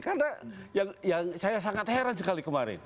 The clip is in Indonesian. karena yang saya sangat heran sekali kemarin